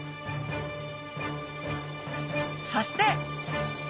そして！